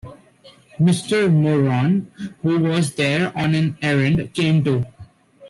Mrs. Moran, who was there on an errand, came too.